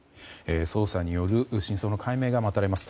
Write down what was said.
捜査による真相の解明が待たれます。